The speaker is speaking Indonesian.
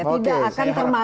tidak akan termakan